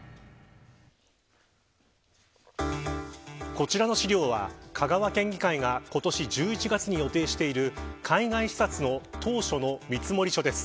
こちらの資料は香川県議会が今年１１月に予定している海外視察の当初の見積書です。